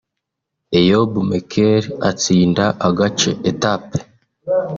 Eyob Metkel atsinda agace (Etape)